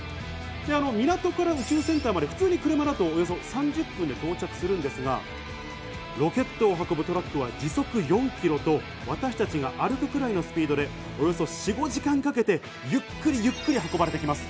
港から宇宙センターまで普通に車だと３０分で到着するんですが、ロケットを運ぶトラックは時速４キロと私たちが歩くくらいのスピードでおよそ４５時間かけて、ゆっくりゆっくり運ばれてきます。